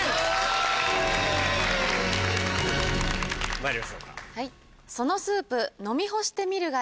まいりましょうか。